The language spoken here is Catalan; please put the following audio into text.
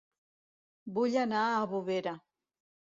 Vull anar a Bovera